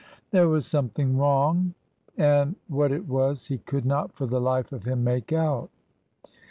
There was something wrong; and what it was he could not for the life of him make out.